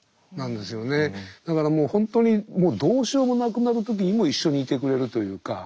だからもう本当にどうしようもなくなる時にも一緒にいてくれるというか。